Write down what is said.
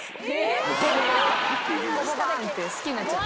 バババンって好きになっちゃった？